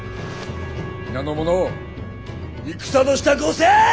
皆の者戦の支度をせい！